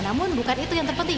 namun bukan itu yang terpenting